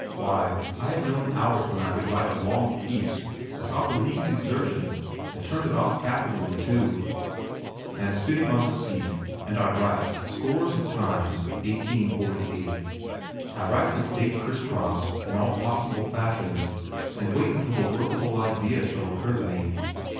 Why, I had known hours when I could write a long piece, without the least exertion, and turn it off capitally, too. I am sitting on the seat, and I write, scores of times, 1848. I write this date criss cross, in all possible fashions, and wait until a workable idea shall occur to me.